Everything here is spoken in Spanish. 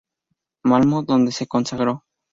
Malmö, donde se consagró.